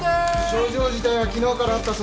症状自体は昨日からあったそうです。